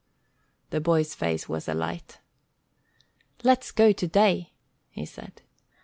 The boy's face was alight. "Let's go today," he said.